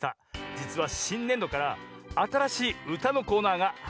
じつはしんねんどからあたらしいうたのコーナーがはじまるんですねぇ。